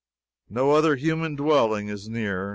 No other human dwelling is near.